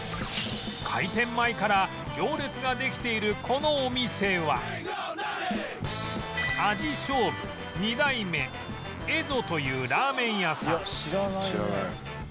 開店前から行列ができているこのお店はというラーメン屋さん